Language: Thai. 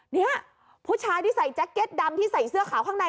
เนี่ยผู้ชายที่ใส่แจ็คเก็ตดำที่ใส่เสื้อขาวข้างใน